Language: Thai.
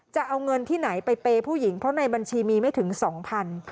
จะเอาเงินที่ไหนไปเปย์ผู้หญิงเพราะในบัญชีมีไม่ถึงสองพัน